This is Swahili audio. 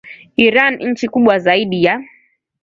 Iran nchi kubwa zaidi ya